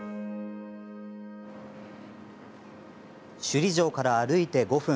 首里城から歩いて５分。